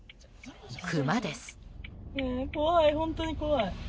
クマです。